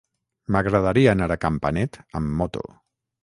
M'agradaria anar a Campanet amb moto.